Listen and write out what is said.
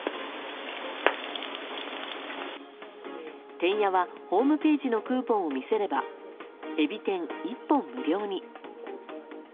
てんやは、ホームページのクーポンを見せればえび天、１本無料に。